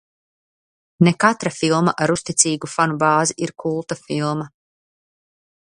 Ne katra filma ar uzticīgu fanu bāzi ir kulta filma.